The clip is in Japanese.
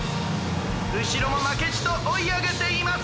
「うしろもまけじとおいあげています！